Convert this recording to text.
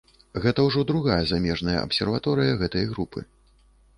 Гэта ўжо другая замежная абсерваторыя гэтай групы.